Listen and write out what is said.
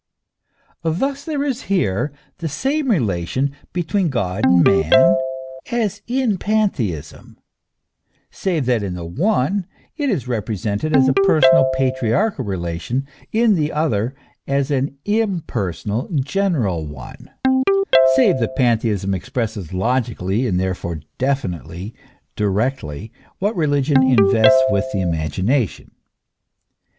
Thus there is here the same relation between God and man as in pantheism, save that in the one it is repre sented as a personal, patriarchal relation, in the other as an im personal, general one, save that pantheism expresses logically and therefore definitely, directly, what religion invests with the THE CONTRADICTION IN THE NATURE OF GOD. 221 imagination.